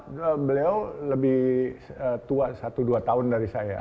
beliau lebih tua satu dua tahun dari saya